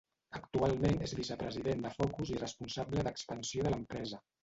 Actualment és vicepresident de Focus i responsable d'expansió de l'empresa.